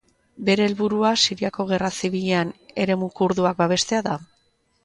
Bere helburua Siriako Gerra Zibilean eremu kurduak babestea da.